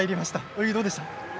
泳ぎ、どうでした？